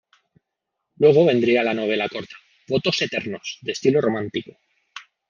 Luego vendría la novela corta "Votos eternos" de estilo romántico.